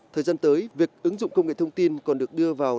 thời gian tới việc ứng dụng công nghệ thông tin còn được đưa vào